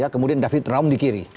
kemudian david raung di kiri